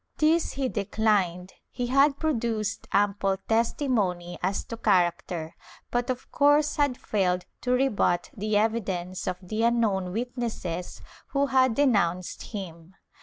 This he declined; he had produced ample testimony as to charac ter but of course had failed to rebut the evidence of the unknown witnesses who had denounced him.